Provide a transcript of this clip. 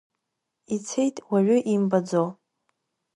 Ицеит уаҩы имбаӡо.